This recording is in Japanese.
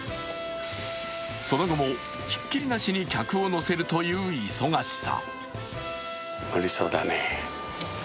その後もひっきりなしに客を乗せるという忙しさ。